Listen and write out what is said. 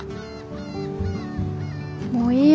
もういいよ